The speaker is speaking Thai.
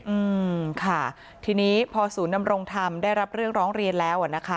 อืมค่ะทีนี้พอศูนย์นำรงธรรมได้รับเรื่องร้องเรียนแล้วอ่ะนะคะ